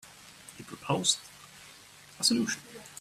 He proposed a solution.